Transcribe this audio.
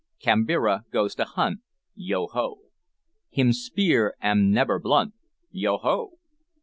Kambira goes to hunt, Yo ho! Him's spear am nebber blunt, Yo ho!